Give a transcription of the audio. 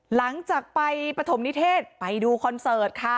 หลังจากไปปฐมนิเทศไปดูคอนเสิร์ตค่ะ